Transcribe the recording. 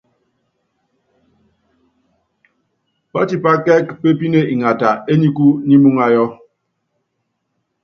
Pátipá kɛ́k pépíne ngata enikú nyi muúŋayɔ.